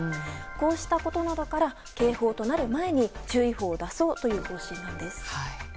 こうしたことなどから警報となる前に注意報を出そうという方針なんです。